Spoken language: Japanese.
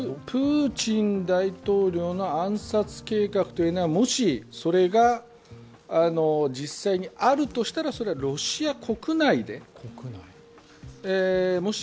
プーチン大統領の暗殺計画というのは、もし、それが実際にあるとしたらそれはロシア国内で。